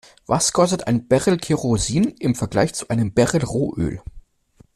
Was kostet ein Barrel Kerosin im Vergleich zu einem Barrel Rohöl?